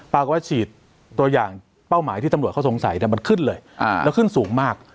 ว่าฉีดตัวอย่างเป้าหมายที่ตำรวจเขาสงสัยแต่มันขึ้นเลยแล้วขึ้นสูงมาก